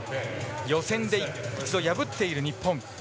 予選で一度破っている日本。